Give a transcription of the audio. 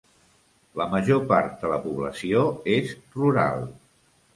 La major part de la població és rural.